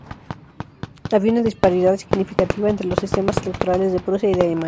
Había una disparidad significativa entre los sistemas electorales de Prusia y de Alemania.